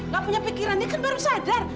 gak punya pikirannya kan baru sadar